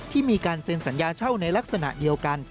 มีการเซ็นสัญญาเช่าในลักษณะเดียวกัน